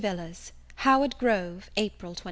VILLARS Howard Grove, April 25.